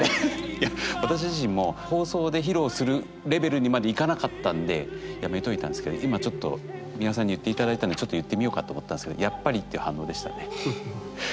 いや私自身も放送で披露するレベルにまでいかなかったんでやめといたんですけど今ちょっと美輪さんに言っていただいたんで言ってみようかと思ったんですけどやっぱりっていう反応でしたね。